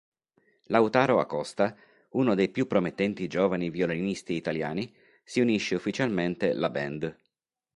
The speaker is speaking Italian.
Lautaro Acosta, uno dei più promettenti giovani violinisti italiani, si unisce ufficialmente la band.